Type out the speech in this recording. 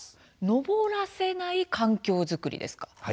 のぼらせない環境づくりですか？